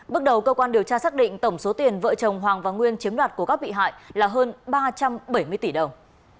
bước đầu cơ quan điều tra xác định tổng số tiền vợ chồng hoàng và nguyên chiếm đoạt của các bị hại là hơn ba trăm bảy mươi tỷ đồng